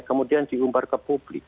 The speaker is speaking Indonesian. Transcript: kemudian diumbar ke publik